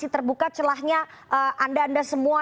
terbuka celahnya anda anda semua